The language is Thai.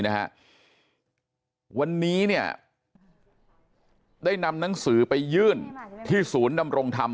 นะฮะวันนี้เนี่ยได้นำหนังสือไปยื่นที่ศูนย์ดำรงธรรม